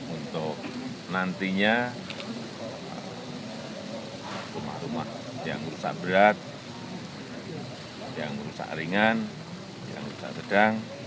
untuk nantinya rumah rumah yang rusak berat yang rusak ringan yang rusak sedang